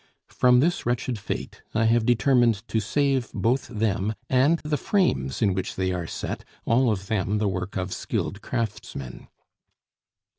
From this wretched fate I have determined to save both them and the frames in which they are set, all of them the work of skilled craftsmen.